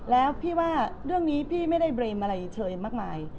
แล้วพี่ว่าเรื่องนี้พี่ไม่ได้เบรมอะไรเชยมากมาย